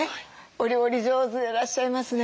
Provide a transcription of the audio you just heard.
お料理上手でいらっしゃいますね。